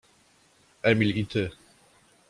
Emil i ty.